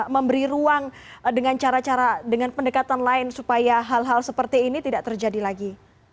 memberi ruang dengan cara cara dengan pendekatan lain supaya hal hal seperti ini tidak terjadi lagi